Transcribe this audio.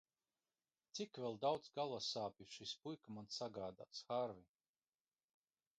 Cik vēl daudz galvassāpju šis puika man sagādās, Hārvij?